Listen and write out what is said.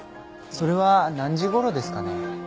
それは何時頃ですかね？